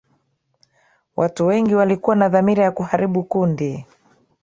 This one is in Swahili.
watu wengi walikuwa na dhamira ya kuharibu kundi